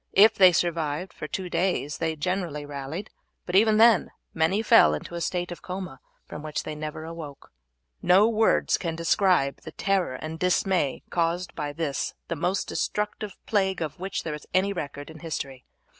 If they survived for two days they generally rallied, but even then many fell into a state of coma from which they never awoke. No words can describe the terror and dismay caused by this the most destructive plague of which there is any record in history.